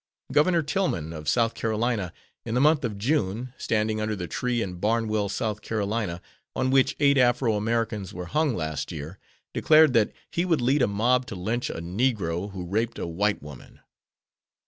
Governor Tillman, of South Carolina, in the month of June, standing under the tree in Barnwell, S.C., on which eight Afro Americans were hung last year, declared that he would lead a mob to lynch a negro who raped a white woman.